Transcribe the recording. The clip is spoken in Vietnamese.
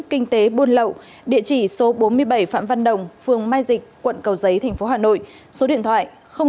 kinh tế buôn lậu địa chỉ số bốn mươi bảy phạm văn đồng phường mai dịch quận cầu giấy tp hà nội số điện thoại chín trăm tám mươi hai hai trăm năm mươi bảy tám trăm tám mươi tám